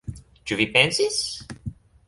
Ĉu vi pensis?